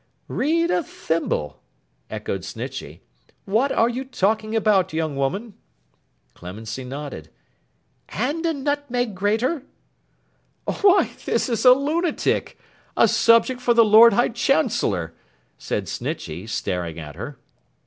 'Read a thimble!' echoed Snitchey. 'What are you talking about, young woman?' Clemency nodded. 'And a nutmeg grater.' 'Why, this is a lunatic! a subject for the Lord High Chancellor!' said Snitchey, staring at her.